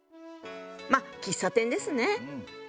まあ喫茶店ですね。